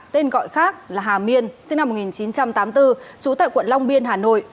tên gọi khác là hà miên sinh năm một nghìn chín trăm tám mươi bốn trú tại quận long biên hà nội